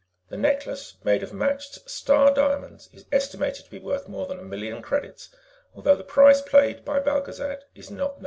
The necklace, made of matched Star Diamonds, is estimated to be worth more than a million credits, although the price paid by Belgezad is not known.